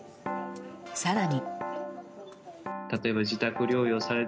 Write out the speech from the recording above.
更に。